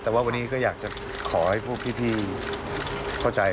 แต่ว่าวันนี้ก็อยากจะขอให้พวกพี่เข้าใจ